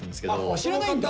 知らないんだ。